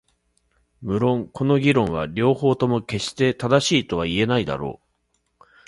無論この議論は両方とも決して正しいとは言えないだろう。